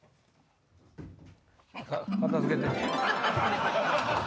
片付けて。